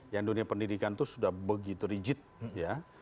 yang dunia pendidikan itu sudah begitu rigid ya